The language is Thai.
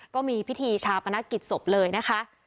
ก็มีพิธีชาปนกิจศพเลยนะคะ